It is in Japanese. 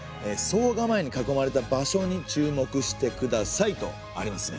惣構に囲まれた場所に注目してくださいとありますね。